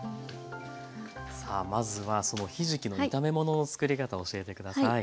さあまずはそのひじきの炒め物の作り方を教えて下さい。